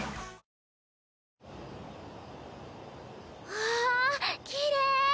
わあきれい！